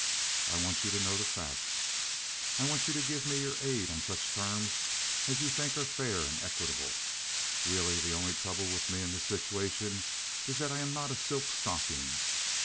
I want you to know the facts. I want you to give me your aid on such terms as you think are fair and equitable. Really the only trouble with me in this situation is that I am not a silk stocking.